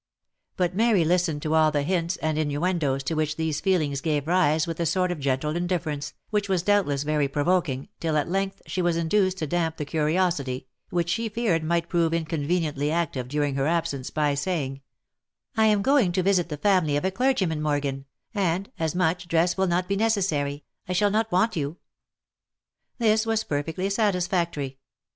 But Mary listened to all the hints and innuendoes to which these feelings gave rise with a sort of gentle indifference, which was doubtless very provoking, till at length she was induced to damp the curiosity, which she feared might prove inconveniently active during her absence, by saying, " I am going to visit the family of a clergyman, Morgan, and, as much dress will not be necessary, I shall not want you." This was perfectly satisfactory.